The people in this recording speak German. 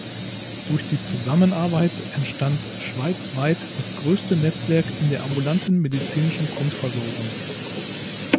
Durch die Zusammenarbeit entstand schweizweit das grösste Netzwerk in der ambulanten medizinischen Grundversorgung.